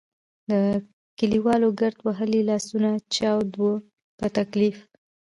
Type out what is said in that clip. د کلیوالو ګرد وهلي لاسونه چاود وو په تکلیف.